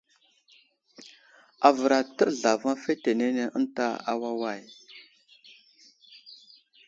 Avər atəɗ zlavaŋ fetenene ənta awaway.